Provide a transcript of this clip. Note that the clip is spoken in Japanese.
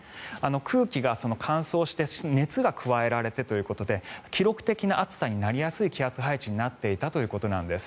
空気が乾燥して熱が加えられてということで記録的な暑さになりやすい気圧配置になっていたということです。